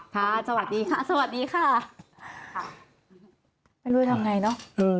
ค่ะสวัสดีค่ะจะรู้ล่ะยังไงเนอะ